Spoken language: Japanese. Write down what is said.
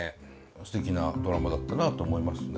すてきなドラマだったなと思いますね。